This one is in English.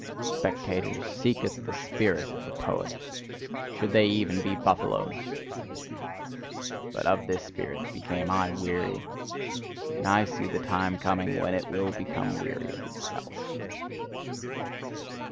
Spectators, seeketh the spirit of the poet should they even be buffaloes! But of this spirit became I weary; and I see the time coming when it will become weary of itself.